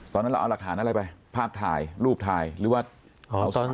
ตอนนั้นเราเอาหลักฐานอะไรไปภาพถ่ายรูปถ่ายหรือว่า